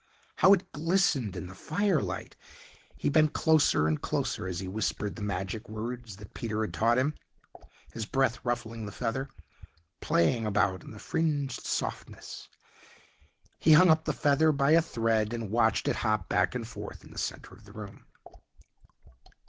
How it glistened in the firelight! He bent closer and closer as he whispered the magic words that Peter had taught him, his breath ruffling the feather, playing about in the fringed softness. He hung up the feather by a thread and watched it hop back and forth in the center of the room.